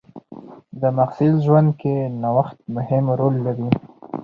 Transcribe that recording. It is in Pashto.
د محصل ژوند کې نوښت مهم رول لري.